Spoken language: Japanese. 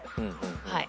はい。